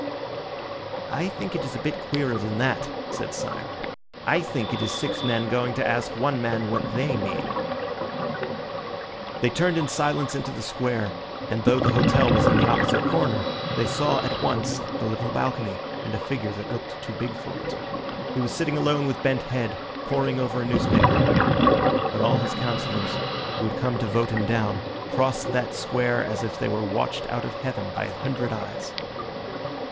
"I think it is a bit queerer than that," said Syme. "I think it is six men going to ask one man what they mean." They turned in silence into the Square, and though the hotel was in the opposite corner, they saw at once the little balcony and a figure that looked too big for it. He was sitting alone with bent head, poring over a newspaper. But all his councillors, who had come to vote him down, crossed that Square as if they were watched out of heaven by a hundred eyes.